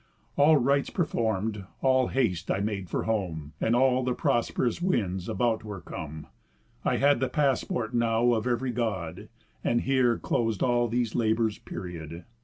All rites perform'd, all haste I made for home, And all the prosp'rous winds about were come, I had the passport now of ev'ry God, And here clos'd all these labours' period.